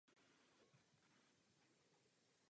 Dnes je v činnosti jen jeden.